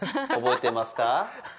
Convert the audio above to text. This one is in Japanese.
覚えてますか？